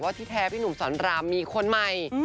ที่แท้พี่หนุ่มสอนรามมีคนใหม่